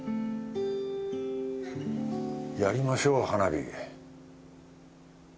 やりましょう花火。